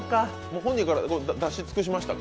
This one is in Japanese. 本人からだし尽くしましたか？